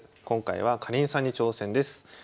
今回はかりんさんに挑戦です。